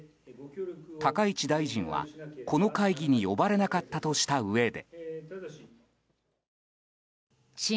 高市大臣は、この会議に呼ばれなかったとしたうえで。